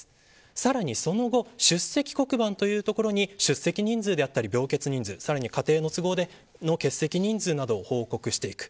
さらに、その後出席黒板というところに出席人数だったり病欠人数さらに家庭都合の欠席人数などを報告していく。